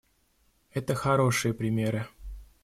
Это хорошие примеры.